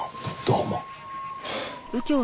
どうも。